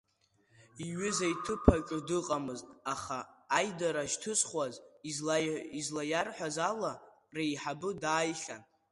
Иҩыза иҭыԥ аҿы дыҟамызт, аха, аидара шьҭызхуаз излаиарҳәаз ала, реиҳабы дааихьан.